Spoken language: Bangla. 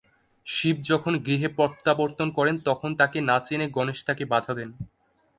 শিব যখন গৃহে প্রত্যাবর্তন করেন, তখন তাকে না চিনে গণেশ তাকে বাধা দেন।